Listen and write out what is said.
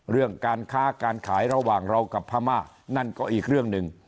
เรื่องการค้าการขายระหว่างเรากับพม่านั่นก็อีกเรื่องหนึ่ง